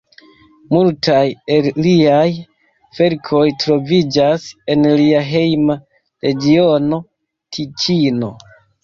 Multaj el liaj verkoj troviĝas en lia hejma regiono, Tiĉino.